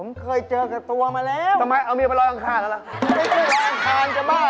ผมเคยเจอขตัวมาแล้วเพราะบอกมีร้อยข้างค่านเกินล้านค้าเจ้าบ้าเหรอ